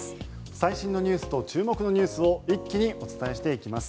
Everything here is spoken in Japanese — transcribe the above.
最新のニュースと注目のニュースを一気に伝えしていきます。